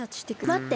まって。